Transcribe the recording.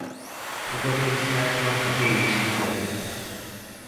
不過重新安裝不會遺失資料